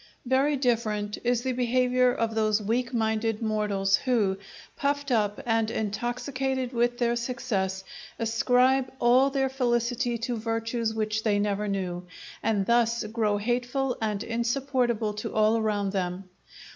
Very different is the behaviour of those weak minded mortals who, puffed up and intoxicated with their success, ascribe all their felicity to virtues which they never knew, and thus grow hateful and insupportable to all around them.